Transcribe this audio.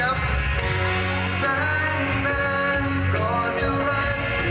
อีกเพลงหนึ่งครับนี้ให้สนสารเฉพาะเลย